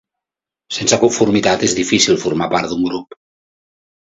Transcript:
Sense conformitat és difícil formar part d'un grup.